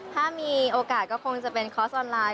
ถ้ามีโอกาสก็คงจะเป็นคอร์สออนไลน